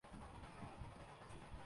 کیا کہہ رہی ہیں۔